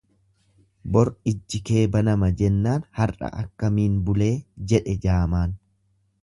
Bor ijji kee banama jennaan har'a akkamitti bulee jedhe jaamaan.